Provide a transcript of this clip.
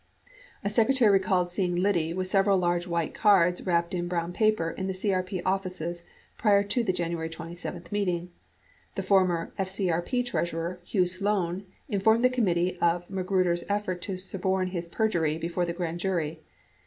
A secretary recalled seeing Liddy with several large white cards wrapped in brown paper in the CRP offices prior to the January 27 meeting. The former FCRP treasurer, Hugh Sloan, informed the committee of Magruder's effort to suborn his perjury before the grand jury.